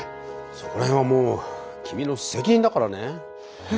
そこら辺はもう君の責任だからね？